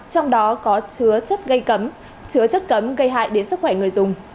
trong đó có chứa chất gây cấm chứa chất cấm gây hại đến sức khỏe người dùng